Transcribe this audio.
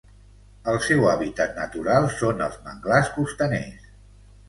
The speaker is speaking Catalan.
El seu hàbitat natural són els manglars costaners.